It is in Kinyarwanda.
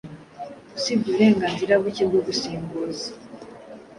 Usibye uburenganzira buke bwo gusimbuza